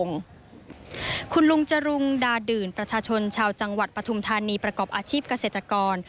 คุณลุงจรุงดาดื่นประชาชนชาวจังหวัดปฐุมธานีประกอบอาชีพเกษตรกร